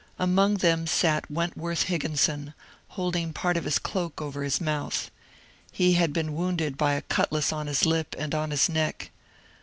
Among them sat Wentworth Higgin son, holding part of his cloak over his mouth. He had been wounded by a cutlass on his lip and on his neck.